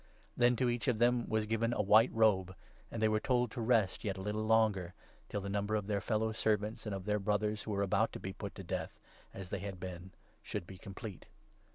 ' Then to each II of them was given a white robe, and they were told to rest yet a little longer, till the number of their fellow servants and of their Brothers who were about to be put to death, as they had been, should be complete.